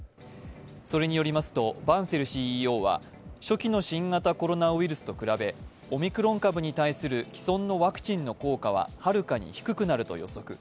それによりますとバンセルＣＥＯは初期の新型コロナウイルスと比べオミクロン株に対する既存のワクチンの効果ははるかに低くなると予測。